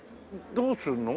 どうするの？